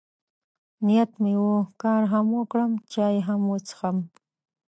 نیت مې و، کار هم وکړم، چای هم وڅښم.